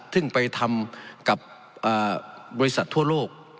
ซึ่งไปทำกับบริษัททั่วโลก